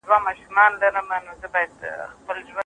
یو جواب د اسوېلیو